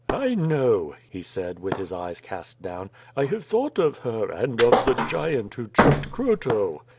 "I know," he said, with his eyes cast down. "I have thought of her, and of the giant who choked Croto."